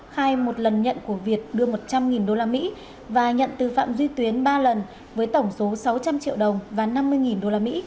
khai một lần nhận của việt đưa một trăm linh usd và nhận từ phạm duy tuyến ba lần với tổng số sáu trăm linh triệu đồng và năm mươi usd